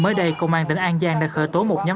mới đây công an tỉnh an giang đã khởi tố một nhóm